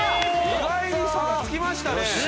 意外に差がつきましたね。